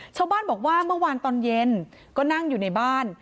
ชาวบ้านบอกว่าเมื่อวานตอนเย็นก็นั่งอยู่ในบ้าน